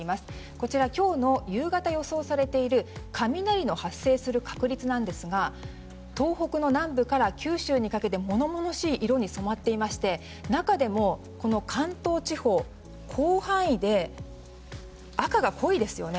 こちら今日の夕方予想されている雷の発生する確率なんですが東北の南部から九州にかけて物々しい色に染まっていまして中でも、関東地方広範囲で赤が濃いですよね。